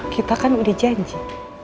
kita kan udah janji